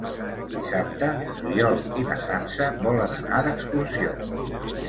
Dissabte n'Oriol i na Sança volen anar d'excursió.